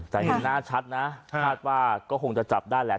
แต่เห็นหน้าชัดนะคาดว่าก็คงจะจับได้แหละ